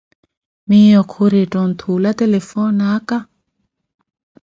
Miyo khuri, entta onthuula telefoni aka.